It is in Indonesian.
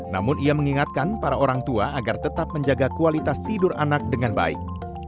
namun ia mengingatkan para orang tua agar tetap menjaga kualitas tidur anak dengan baik